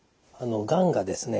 がんがですね